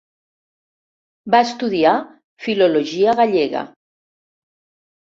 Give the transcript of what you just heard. Va estudiar Filologia gallega.